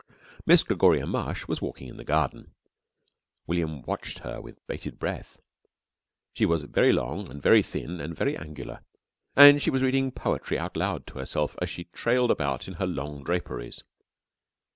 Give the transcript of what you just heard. Miss Gregoria Mush was walking in the garden. William watched her with bated breath. She was very long, and very thin, and very angular, and she was reading poetry out loud to herself as she trailed about in her long draperies.